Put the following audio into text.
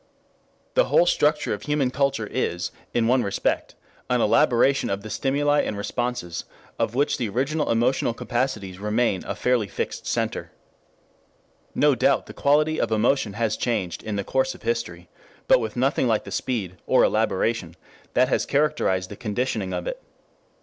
The whole structure of human culture is in one respect an elaboration of the stimuli and responses of which the original emotional capacities remain a fairly fixed center. No doubt the quality of emotion has changed in the course of history, but with nothing like the speed, or elaboration, that has characterized the conditioning of it.